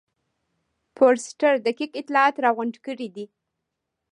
فورسټر دقیق اطلاعات راغونډ کړي دي.